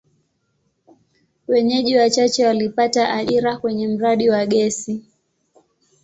Wenyeji wachache walipata ajira kwenye mradi wa gesi.